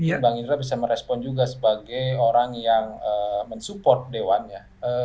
mungkin bang indra bisa merespon juga sebagai orang yang mensupport dewannya